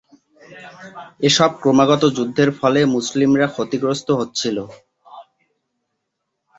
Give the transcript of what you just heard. এসব ক্রমাগত যুদ্ধের ফলে মুসলিমরা ক্ষতিগ্রস্ত হচ্ছিল।